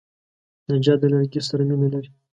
نجار د لرګي سره مینه لري.